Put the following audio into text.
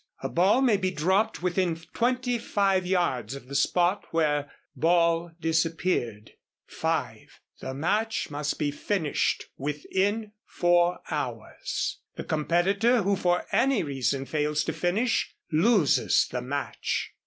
A ball may be dropped within twenty five yards of the spot where ball disappeared. (5) The match must be finished within four hours. The competitor who for any reason fails to finish loses the match.